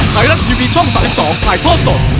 ไทนัททีวีช่อง๓๒ถ่ายเพิ่มสด